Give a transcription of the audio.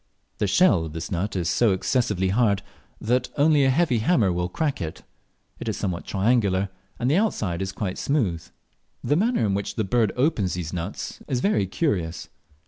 The shell of this nut is so excessively hard that only a heavy hammer will crack it; it is somewhat triangular, and the outside is quite smooth. The manner in which the bird opens these nuts is very curious.